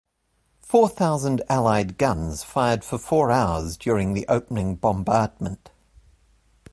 Four thousand Allied guns fired for four hours during the opening bombardment.